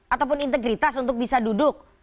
ataupun integritas untuk bisa duduk